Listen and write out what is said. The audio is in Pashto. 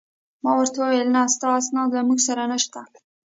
ما ورته وویل: نه، ستا اسناد له موږ سره نشته.